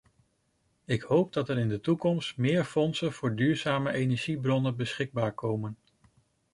Ik hoop dat er in de toekomst meer fondsen voor duurzame energiebronnen beschikbaar komen.